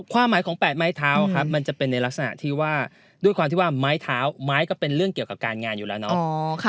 ความหมายของ๘ไม้เท้าครับมันจะเป็นในลักษณะที่ว่าด้วยความที่ว่าไม้เท้าไม้ก็เป็นเรื่องเกี่ยวกับการงานอยู่แล้วเนาะ